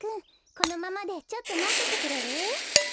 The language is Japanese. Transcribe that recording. このままでちょっとまっててくれる？